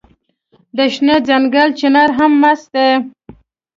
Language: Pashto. د شنه ځنګل چنار هم مست دی